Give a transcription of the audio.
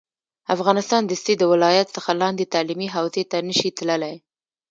افغانستان دستي د ولایت څخه لاندې تعلیمي حوزې ته نه شي تللی